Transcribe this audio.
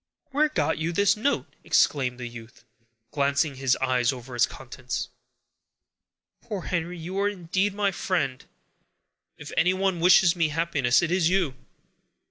"Where got you this note?" exclaimed the youth, glancing his eyes over its contents. "Poor Henry, you are indeed my friend! If anyone wishes me happiness, it is you!"